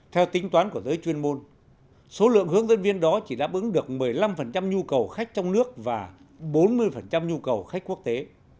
theo tính toán của giới chuyên môn số lượng hướng dẫn viên đó chỉ đáp ứng được một mươi năm nhu cầu khách trong nước và bốn mươi nhu cầu khách quốc tế